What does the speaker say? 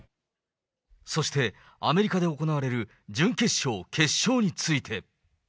そしてアメリカで行われる準決勝、決勝について。